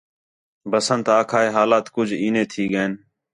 بسنٹ آکھا ہِے حالات کُج اینے تھی ڳئین